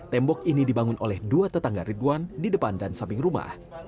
tembok ini dibangun oleh dua tetangga ridwan di depan dan samping rumah